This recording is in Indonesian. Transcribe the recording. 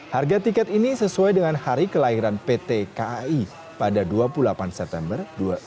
harga tiket ini sesuai dengan hari kelahiran pt kai pada dua puluh delapan september seribu sembilan ratus empat puluh lima